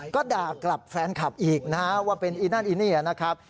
ก็ด่ากลับแฟนคลับอีกนะฮะว่าเป็นอีนั่นอีนี่นะครับ